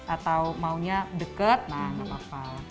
atau maunya deket nah gapapa